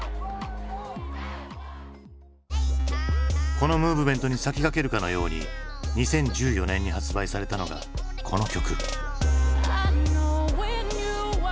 このムーブメントに先駆けるかのように２０１４年に発売されたのがこの曲。